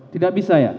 tidak bisa ya